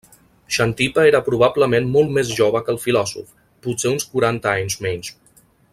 Xantipa era probablement molt més jove que el filòsof, potser uns quaranta anys menys.